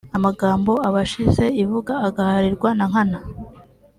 amagambo aba ashize ivuga agaharirwa Nankana